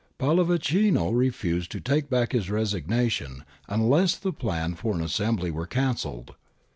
Pallavicino refused to take back his resignation unless the plan for an assembly were cancelled.